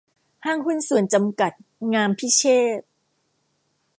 ห้างหุ้นส่วนจำกัด งามพิเชษฐ์